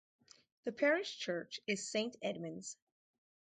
The parish church is Saint Edmund's.